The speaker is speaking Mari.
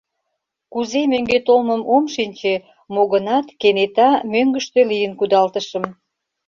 Кузе мӧҥгӧ толмым ом шинче, мо-гынат, кенета мӧҥгыштӧ лийын кудалтышым.